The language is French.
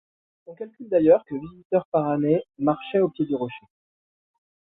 On calcule d'ailleurs que visiteurs par année marchaient au pied du rocher.